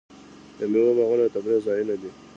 د میوو باغونه د تفریح ځایونه دي.